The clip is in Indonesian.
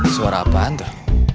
suara apaan tuh